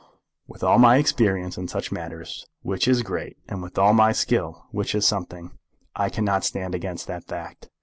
With all my experience in such matters, which is great; and with all my skill, which is something, I cannot stand against that fact.